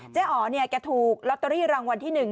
เจ๊อ๋อเนี่ยแกถูกลอตเตอรี่รางวัลที่หนึ่ง